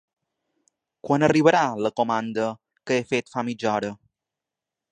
Quan arribarà la comanda que he fet fa mitja hora?